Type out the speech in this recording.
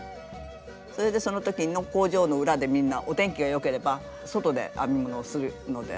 それでその時に工場の裏でみんなお天気が良ければ外で編み物をするので。